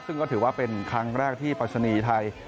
ซึ่งก็ถือว่าเป็นครั้งแรกที่ปรัชนีไทย